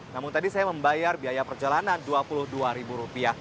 namun tadi saya membayar biaya perjalanan rp dua puluh dua